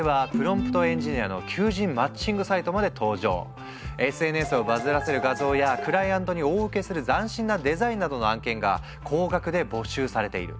既にアメリカではＳＮＳをバズらせる画像やクライアントに大ウケする斬新なデザインなどの案件が高額で募集されている。